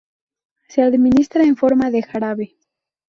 Se administra en forma de jarabe.